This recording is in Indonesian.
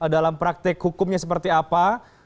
dalam praktek hukumnya seperti apa